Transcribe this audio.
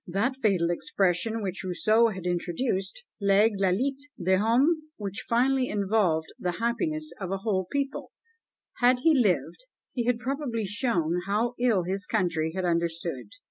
That fatal expression which Rousseau had introduced, l'Egalité des Hommes, which finally involved the happiness of a whole people, had he lived he had probably shown how ill his country had understood.